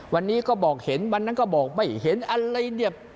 วันนี้ก็บอกเห็นวันนั้นก็บอกไม่เห็นอะไรเนี่ย